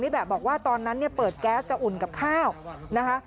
แบบบอกว่าตอนนั้นเนี่ยเปิดแก๊สจะอุ่นกับข้าวนะคะ